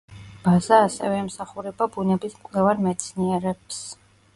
ბაზა ასევე ემსახურება ბუნების მკვლევარ მეცნიერებს.